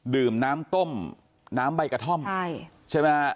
ดื่มน้ำต้มน้ำใบกระท่อมใช่ไหมฮะ